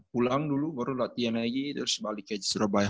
pulang dulu baru latihan lagi terus balik ke surabaya